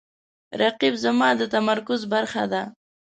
رقیب زما د تمرکز برخه ده